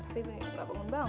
tapi gak bangun bangun